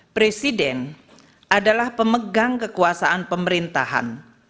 presiden adalah pemegang kekuasaan pemerintahan